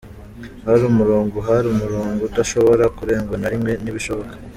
Hari umurongo, hari umurongo udashobora kurengwa na rimwe, ntibishoboka!….”